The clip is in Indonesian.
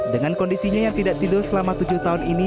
dengan kondisinya yang tidak tidur selama tujuh tahun ini